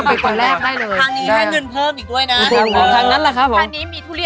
แต่คุณแม่รู้